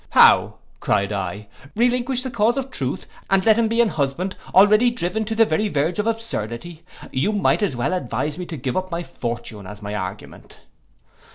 'How,' cried I, 'relinquish the cause of truth, and let him be an husband, already driven to the very verge of absurdity. You might as well advise me to give up my fortune as my argument.